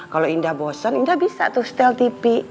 kalau indah bosen indah bisa tuh setel tipi